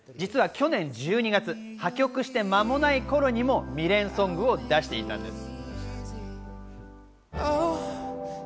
去年１２月、破局して間もない頃にも未練ソングを出していたんです。